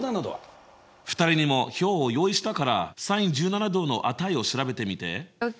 ２人にも表を用意したからｓｉｎ１７°の値を調べてみて。